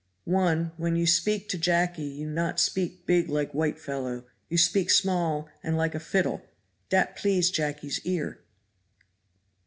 One when you speak to Jacky you not speak big like white fellow, you speak small and like a fiddle dat please Jacky's ear.